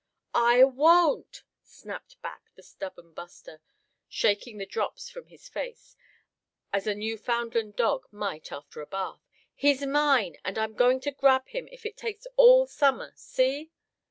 "I won't!" snapped back the stubborn Buster, shaking the drops from his face, as a New Foundland dog might after a bath. "He's mine, and I'm going to grab him if it takes all summer, see?"